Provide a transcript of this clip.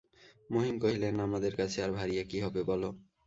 মহিম কহিলেন, আমাদের কাছে আর ভাঁড়িয়ে কী হবে বল?